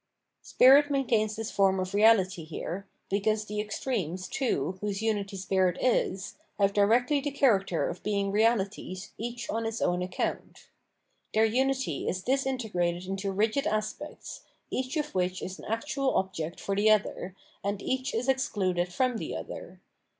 Spirit maintains this form of reality here, because the extremes, too, whose unity spirit is, have directly the character of being realities each on its own account. Their unity is disintegrated into rigid as pects, each of which is an actual object for the other, and each is excluded from the other.